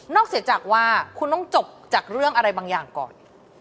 เสียจากว่าคุณต้องจบจากเรื่องอะไรบางอย่างก่อน